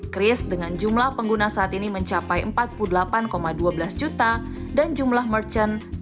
kris dengan jumlah pengguna saat ini mencapai empat puluh delapan dua belas juta dan jumlah merchant